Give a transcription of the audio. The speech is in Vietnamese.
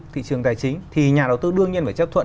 thị trường tài chính thì nhà đầu tư đương nhiên phải chấp thuận